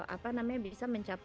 apa namanya bisa mencari